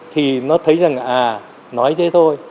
thì nó thấy rằng à nói thế thôi